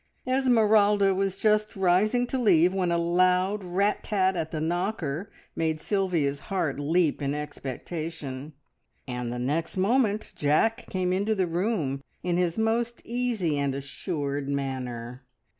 Esmeralda was just rising to leave when a loud rat tat at the knocker made Sylvia's heart leap in expectation; and the next moment Jack came into the room in his most easy and assured manner.